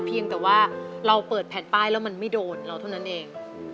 เพียงแต่ว่าเราเปิดแผ่นป้ายแล้วมันไม่โดนเราเท่านั้นเอง